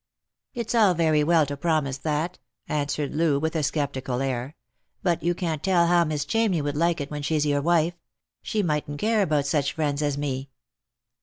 " It's all very well to promise that," answered Loo, with a sceptical air; "but you can't tell how Miss Chamney would like it, when she's your wife. She mightn't care about such friends as me."